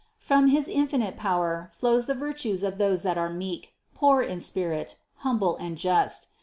From his infinite power flows the virtues of those that are meek, poor in spirit, humble and just.